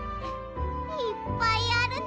いっぱいあるな。